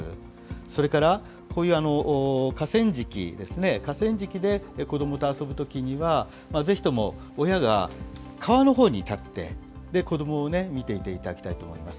それからこういう河川敷ですね、河川敷で子どもと遊ぶときには、ぜひとも親が川のほうに立って、で、子どもをね、見ていていただきたいと思います。